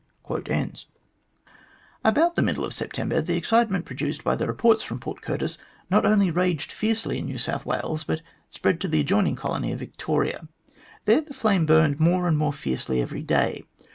108 THE GLADSTONE COLONY About the middle of September the excitement produced by the reports from Port Curtis not only raged fiercely in New South Wales, but spread to the adjoining colony of Victoria. There the flame burned more and more fiercely every day.